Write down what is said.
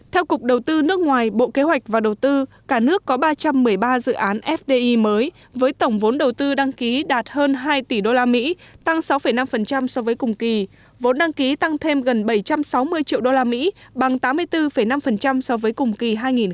theo cục đầu tư nước ngoài bộ kế hoạch và đầu tư cả nước có ba trăm một mươi ba dự án fdi mới với tổng vốn đầu tư đăng ký đạt hơn hai tỷ usd tăng sáu năm so với cùng kỳ